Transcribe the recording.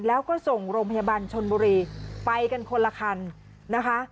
แล้วก็ส่งโรงพยาบาลชนบุรีไปกันคนละคันนะคะ